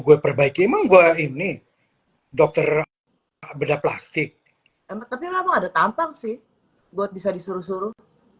gue perbaiki emang gue ini dokter bedah plastik tapi lama ada tampang sih buat bisa disuruh suruh